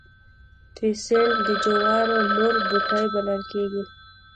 تیوسینټ د جوارو مور بوټی بلل کېږي